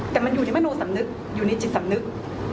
แต่มันอยู่ที่มโนสำนึกอยู่ในจิตสำนึก